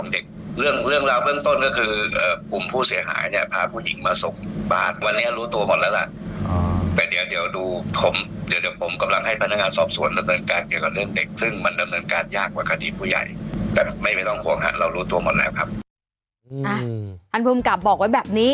แต่ไม่ต้องห่วงนะเรารู้ตัวหมดแล้วครับอืมอันพุงกราบบอกไว้แบบนี้